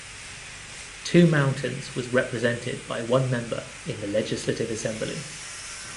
Two Mountains was represented by one member in the Legislative Assembly.